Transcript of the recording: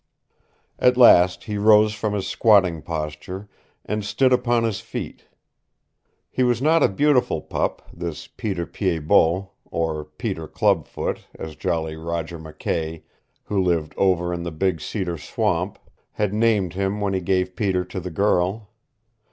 At last he rose from his squatting posture, and stood upon his feet. He was not a beautiful pup, this Peter Pied Bot or Peter Club foot, as Jolly Roger McKay who lived over in the big cedar swamp had named him when he gave Peter to the girl.